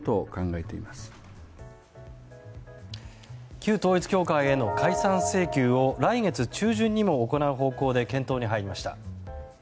旧統一教会への解散請求を来月中旬にも行う方向で検討に入りました。